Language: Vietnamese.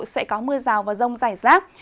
sẽ có mưa rào và rông rải rác